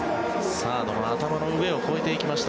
サードの頭の上を越えていきました。